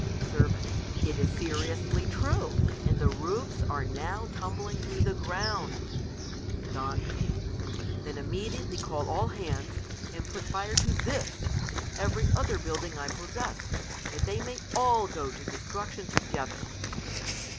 Ser, It is seriously true ! and the roofs are now tumbling to the ground ! Don P, Then immediately call all hands, and put fire to this, and every other building I possess ; that they may all go to destruction together.